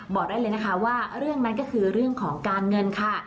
บอกได้เลยนะคะว่าเรื่องนั้นก็คือเรื่องของการเงินค่ะ